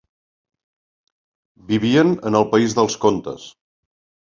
Vivien en el país dels contes.